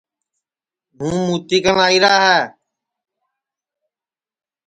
ہوں مُتی کن آئیرا ہے